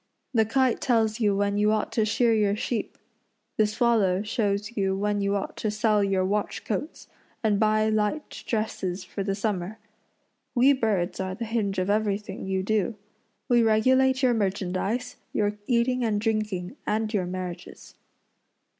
The kite tells you when you ought to shear your sheep; the swallow shows you when you ought to sell your watch coats, and buy light dresses for the summer. We birds are the hinge of everything you do. We regulate your merchandise, your eating and drinking, and your marriages."